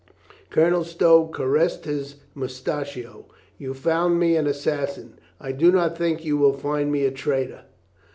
Colonel Stow caressed his moustachio. "You found me an assassin, I do not think you will find me a traitor."